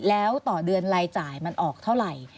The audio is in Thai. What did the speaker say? แล้วต่อเดือนรายจ่ายมันออกเท่าไหร่